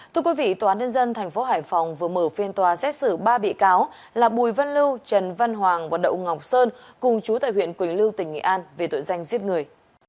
thưa quý vị tòa án nhân dân tp hải phòng vừa mở phiên tòa xét xử ba bị cáo là bùi văn lưu trần văn hoàng và đậu ngọc sơn cùng chú tại huyện quỳnh lưu tỉnh nghệ an về tội danh giết người